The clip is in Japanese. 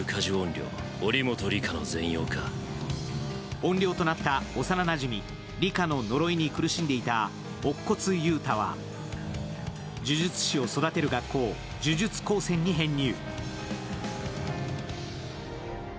怨霊となった幼なじみ里香の呪いに苦しんでいた乙骨憂太は呪術師を育てる学校、呪術高専に編入。